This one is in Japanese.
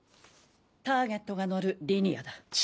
ターゲットが乗るリニアだ。